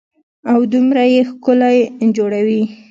او دومره يې ښکلي جوړوي.